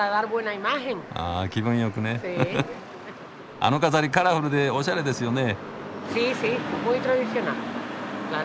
あの飾りカラフルでオシャレですよね。